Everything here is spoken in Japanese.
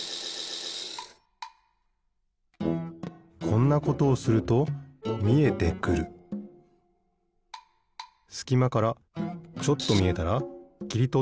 こんなことをするとみえてくるすきまからちょっとみえたらきりとってペタン。